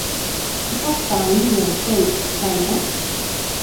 Tu pats tā mīlēji teikt, vai ne?